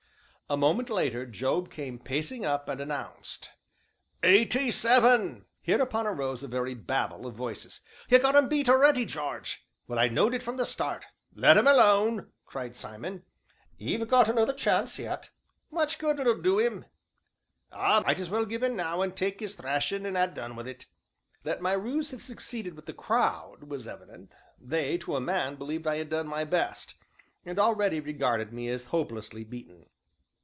A moment later Job came pacing up, and announced: "Eighty seven!" Hereupon arose a very babel of voices: "You've got un beat a'ready, Jarge!" "Well, I knowed it from the start!" "Let un alone," cried Simon, "'e've got another chance yet." "Much good it'll do 'im!" "Ah! might as well give in now, and take 'is thrashin' and ha' done wi' it." That my ruse had succeeded with the crowd was evident; they to a man believed I had done my best, and already regarded me as hopelessly beaten.